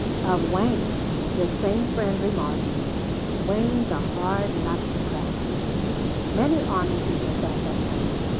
Of Wayne this same friend remarked: "Wayne's a hard nut to crack." Many army people felt that way.